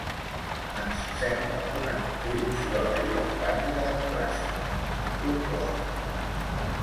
Ens sembla una contribució a la llibertat i la democràcia, conclouen.